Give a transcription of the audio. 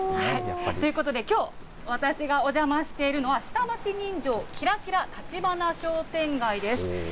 ということで、きょう私がおじゃましているのは、下町人情キラキラ橘商店街です。